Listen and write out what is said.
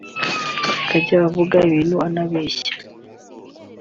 akajya avuga ibintu anabeshya